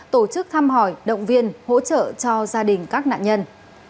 tổ chức thăm hỏi động viên hỗ trợ cho gia đình các nạn nhân